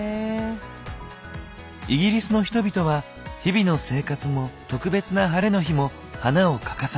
イギリスの人々は日々の生活も特別なハレの日も花を欠かさない。